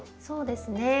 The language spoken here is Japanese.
そうですね